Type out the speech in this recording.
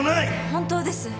本当です。